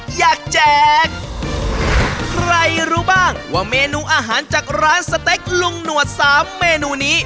แจกใครรู้บ้างว่าเมนูอาหารจากร้านสเต็กลุงหนวดสามเมนูนี้